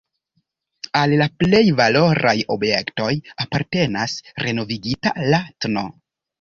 Al la plej valoraj objektoj apartenas renovigita, la tn.